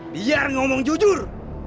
biar ngomong jujur